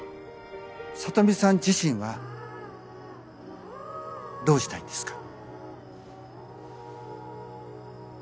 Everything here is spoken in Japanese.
サトミさん自身はどうしたいんですか？